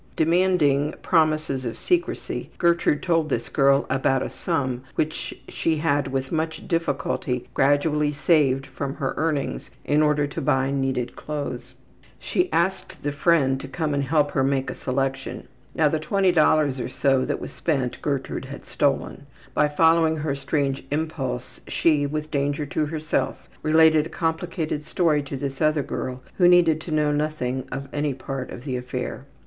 Demanding promises of secrecy, Gertrude told this girl about a sum which she had with much difficulty gradually saved from her earnings in order to buy needed clothes. She asked the friend to come and help her make a selection. (Now the $20 or so that was spent Gertrude had stolen. By following her strange impulse she, with danger to herself, related a complicated story to this other girl who needed to know nothing of any part of the affair.)